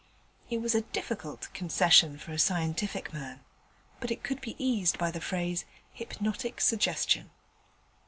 It was a difficult concession for a scientific man, but it could be eased by the phrase 'hypnotic suggestion'.